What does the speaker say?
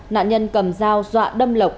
nạn nhân cầm dao dọa đâm lộc